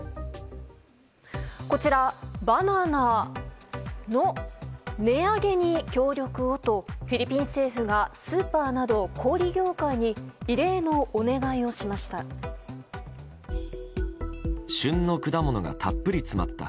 こちらバナナの値上げに協力をとフィリピン政府がスーパーなど小売業界に異例のお願いをしました。